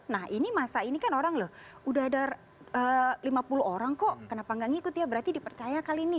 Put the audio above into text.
nah ini masa ini kan orang loh udah ada lima puluh orang kok kenapa nggak ngikut ya berarti dipercaya kali ini